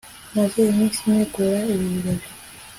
maze iminsi ntegura ibi birori